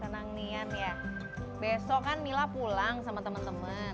senang nian ya besok kan mila pulang sama teman teman